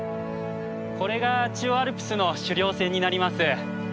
これが中央アルプスの主稜線になります。